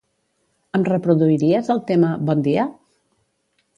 Em reproduiries el tema "Bon dia"?